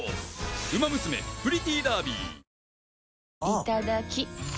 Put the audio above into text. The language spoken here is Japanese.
いただきっ！